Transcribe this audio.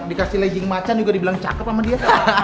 dikasih lajing macan juga dibilang cakep sama dia